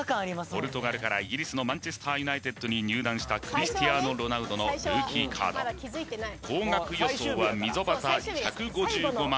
ポルトガルからイギリスのマンチェスターユナイテッドに入団したクリスティアーノ・ロナウドのルーキーカード高額予想は溝端１５５５０００円